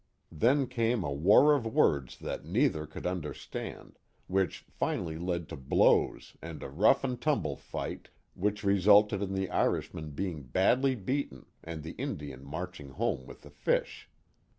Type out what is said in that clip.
Then came a war of words that neither could understand, which finally led to blows and a rough and tumble fight, which resulted in the Irishman being badly beaten and the Indian marching home with the fish.